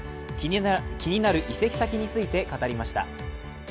気になる移籍先について語りました。